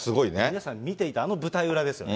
皆さん見ていた、あの舞台裏ですよね。